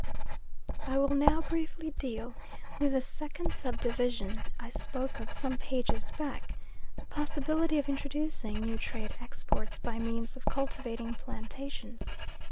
I will now briefly deal with the second sub division I spoke of some pages back the possibility of introducing new trade exports by means of cultivating plantations.